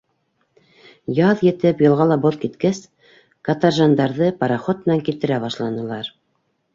Яҙ етеп, йылғала боҙ киткәс, каторжандарҙы пароход менән килтерә башланылар.